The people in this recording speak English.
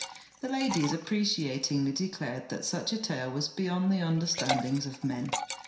The ladies appreciatingly declared that such a tale was beyond the understandings of men.